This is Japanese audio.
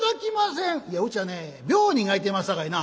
「いやうちはね病人がいてますさかいな」。